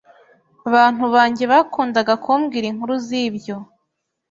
Bantu banjye bakundaga kumbwira inkuru zibyo.